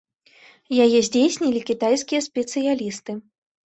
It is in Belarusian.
Яе здзейснілі кітайскія спецыялісты.